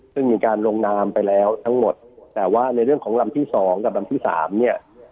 ซึ่งมีการลงนามไปแล้วทั้งหมดแต่ว่าในเรื่องของลำที่สองกับลำที่สามเนี่ย